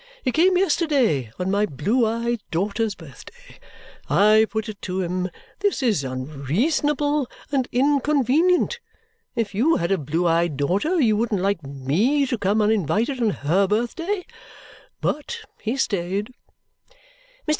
He came yesterday, on my blue eyed daughter's birthday. I put it to him, 'This is unreasonable and inconvenient. If you had a blue eyed daughter you wouldn't like ME to come, uninvited, on HER birthday?' But he stayed." Mr.